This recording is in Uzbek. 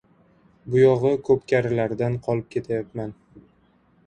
Buyog‘i ko‘pkarilardan qolib ketayapman.